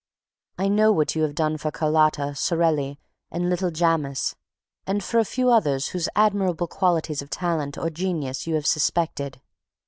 I know what you have done for Carlotta, Sorelli and little Jammes and for a few others whose admirable qualities of talent or genius you have suspected.